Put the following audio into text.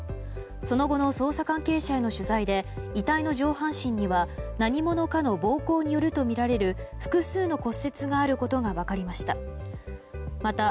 その後の捜査関係者への取材で遺体の上半身には何者かの暴行によるとみられる複数の骨折があることが分かりました。